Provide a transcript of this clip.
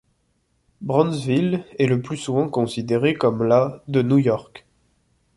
Brownsville est le plus souvent considéré comme la de New York.